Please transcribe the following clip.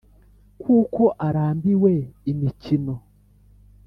kuko arambiwe imikino